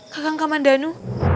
kakang kaman danu